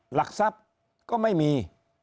หลักทรัพย์ก็ไม่มี